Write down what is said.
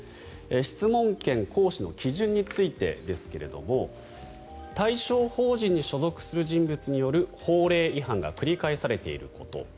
質問権行使の基準についてですけれど対象法人に所属する人物による法令違反が繰り返されていること。